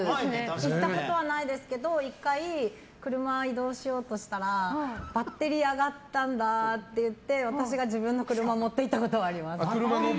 行ったことはないですけど１回、車を移動しようとしたらバッテリー上がったんだといって私が自分の車を持っていったことはあります。